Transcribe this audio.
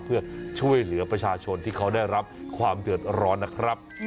เพื่อช่วยเหลือประชาชนที่เขาได้รับความเดือดร้อนนะครับ